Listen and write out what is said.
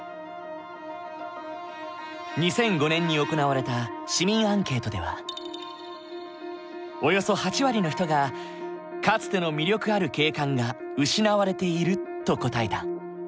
２００５年に行われた市民アンケートではおよそ８割の人が「かつての魅力ある景観が失われている」と答えた。